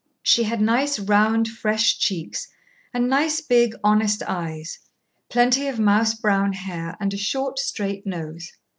She had nice, round, fresh cheeks and nice, big, honest eyes, plenty of mouse brown hair and a short, straight nose.